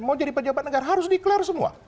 mau jadi pejabat negara harus deklarasi semua